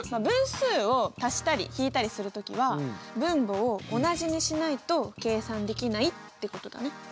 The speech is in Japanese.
分数を足したり引いたりする時は分母を同じにしないと計算できないってことだね。